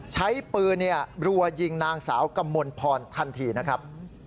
ใช้ปืนรัวยิงนางสาวกมลพรทันทีนะครับ